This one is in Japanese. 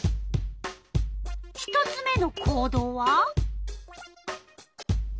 １つ目の行動は？